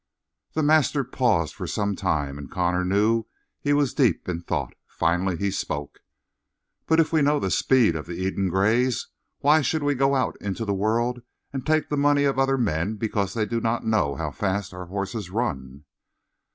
The master paused for some time, and Connor knew he was deep in thought. Finally he spoke: "But if we know the speed of the Eden Grays, why should we go out into the world and take the money of other men because they do not know how fast our horses run?"